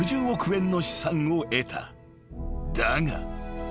［だが］